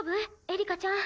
エリカちゃん。